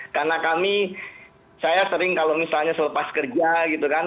karena kami saya sering kalau misalnya selepas kerja gitu kan